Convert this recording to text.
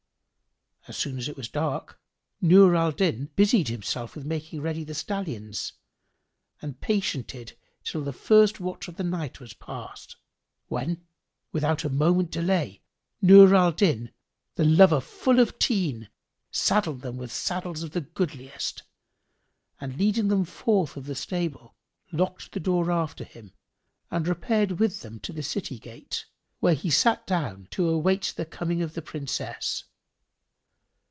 As soon as it was dark Nur al Din busied himself with making ready the stallions and patiented till the first watch of the night was past; when, without a moment delay, Nur al Din the lover full of teen, saddled them with saddles of the goodliest, and leading them forth of the stable, locked the door after him and repaired with them to the city gate, where he sat down to await the coming of the Princess.